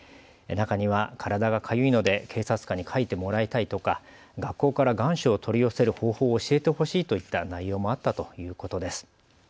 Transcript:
中には体がかゆいので警察官にかいてもらいたいとか学校から願書を取り寄せる方法を教えてほしいといった内容もあったということです。